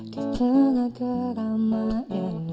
di tengah keramaian